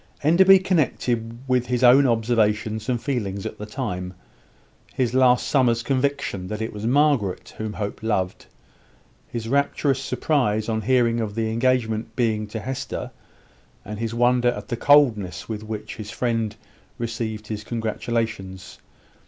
Enderby connected with this his own observations and feelings at the time; his last summer's conviction that it was Margaret whom Hope loved; his rapturous surprise on hearing of the engagement being to Hester; and his wonder at the coldness with which his friend received his congratulations.